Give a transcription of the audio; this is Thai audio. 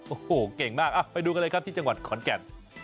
โอ้โหเก่งมากไปดูกันเลยครับที่จังหวัดขอนแก่น